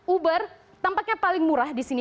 uber tampaknya paling murah di sini